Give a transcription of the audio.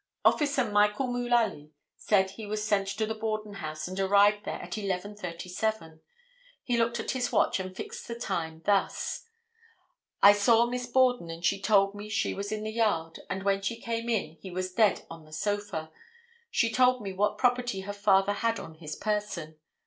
Officer Michael Mullaly said he was sent to the Borden house and arrived there at 11:37; he looked at his watch and fixed the time thus; "I saw Miss Borden and she told me she was in the yard and when she came in he was dead on the sofa; she told me what property her father had on his person.